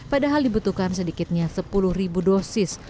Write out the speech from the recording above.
padahal dibutuhkan sedikitnya sepuluh ribu dosis